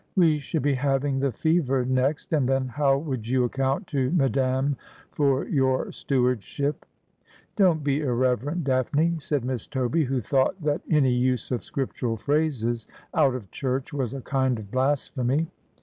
We should be having the fever next, and then how would you account to Madame for your stewardship ?'' Don't be irreverent. Daphne,' said Miss Toby, who thought that any use of scriptural phrases out of church was a kind of blasphemy.